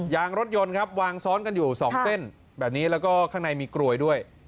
ยางรถยนต์ครับวางซ้อนกันอยู่สองเส้นแบบนี้แล้วก็ข้างในมีกลวยด้วย